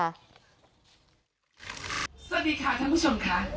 สวัสดีค่ะท่านผู้ชมค่ะ